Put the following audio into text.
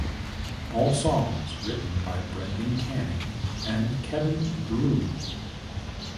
All songs written by Brendan Canning and Kevin Drew.